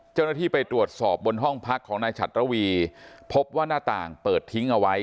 เจ้าหน้าที่ไปตรวจสอบบนห้องพักของนายฉัดระวีพบว่าหน้าต่างเปิดทิ้งเอาไว้